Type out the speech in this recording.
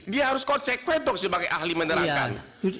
dia harus konsekven dong sebagai ahli menerangkan